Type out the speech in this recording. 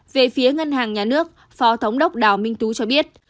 về phía ngân hàng nhà nước phó thống đốc đào minh tú cho biết